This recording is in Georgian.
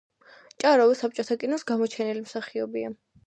ჟაროვი საბჭოთა კინოს გამოჩენილი მსახიობია.